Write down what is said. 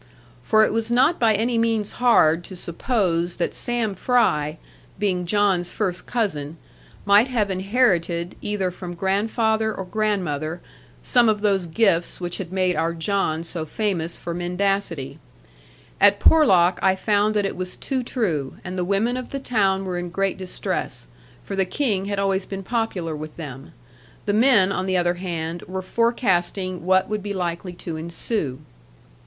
For it was not by any means hard to suppose that Sam Fry, being John's first cousin, might have inherited either from grandfather or grandmother some of those gifts which had made our John so famous for mendacity. At Porlock I found that it was too true; and the women of the town were in great distress, for the King had always been popular with them: the men, on the other hand, were forecasting what would be likely to ensue.